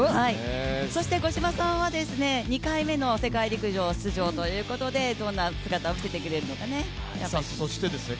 そして五島さんは２回目の世界陸上出場ということでどんな姿を見せてくれるのか楽しみですね。